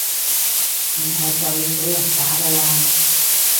唔係就要被人打㗎喇